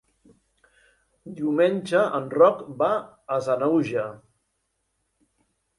Diumenge en Roc va a Sanaüja.